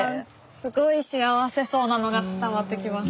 すごい幸せそうなのが伝わってきます。